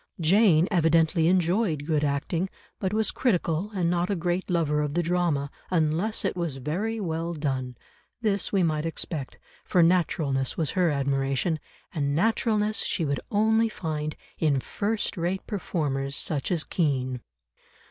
Jane evidently enjoyed good acting, but was critical and not a great lover of the drama unless it was very well done; this we might expect, for naturalness was her admiration, and naturalness she would only find in first rate performers such as Kean.